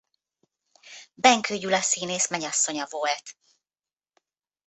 Benkő Gyula színész menyasszonya volt.